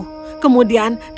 atau kau akan terbakar menjadi abu